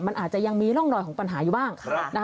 มันอาจจะยังมีร่องรอยของปัญหาอยู่บ้าง